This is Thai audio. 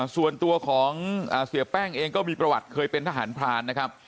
ส่วนตัวของเสียแป้งเองก็มีประวัติเคยเป็นทหารพรานนะครับ